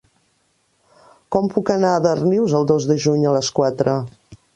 Com puc anar a Darnius el dos de juny a les quatre?